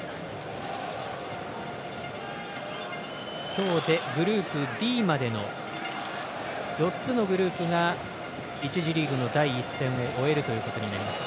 今日でグループＤまでの４つのグループが１次リーグの第１戦を終えることになります。